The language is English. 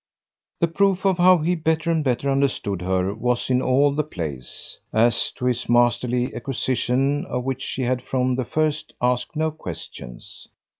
The proof of how he better and better understood her was in all the place; as to his masterly acquisition of which she had from the first asked no questions.